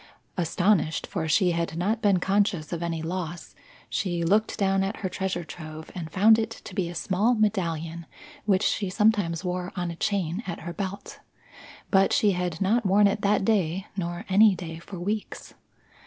Astonished, for she had not been conscious of any loss, she looked down at her treasure trove and found it to be a small medallion which she sometimes wore on a chain at her belt. But she had not worn it that day, nor any day for weeks.